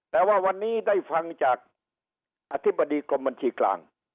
แต่ว่าวันนี้ได้ฟังจากอธิบดีกรมบัญชีกลาง